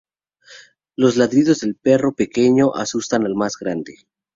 Los ladridos del perro pequeño asustan al más grande.